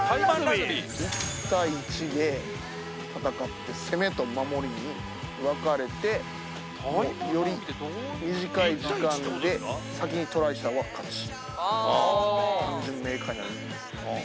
１対１で戦って攻めと守りに分かれてより短い時間で先にトライしたほうが勝ち単純明快なルールです